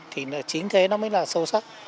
thì chính thế nó mới là sâu sắc